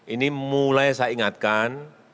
ini mulai saya ingatkan